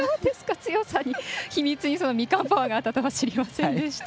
強さの秘密にみかんパワーがあったとは知りませんでした。